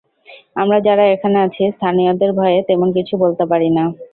আমরা যাঁরা এখানে আছি, স্থানীয়দের ভয়ে তেমন কিছু বলতে পারি না।